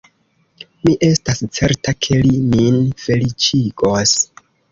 Mi estas certa, ke li min feliĉigos.